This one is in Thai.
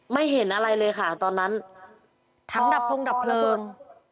ไม่เห็นอะไรเลยค่ะตอนนั้นถังดับพงดับเพลิง